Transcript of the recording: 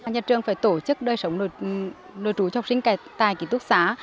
nhà trường phải tổ chức đôi sống nội trú cho học sinh tài kỹ thuật xá